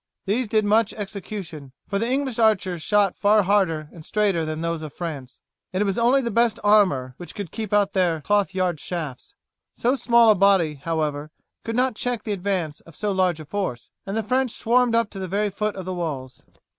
These did much execution, for the English archers shot far harder and straighter than those of France, and it was only the best armour which could keep out their cloth yard shafts. So small a body, however, could not check the advance of so large a force, and the French swarmed up to the very foot of the walls.